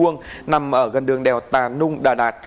nằm ở gần đường đèo tà nung đà đạt